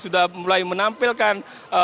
sudah mulai menampilkan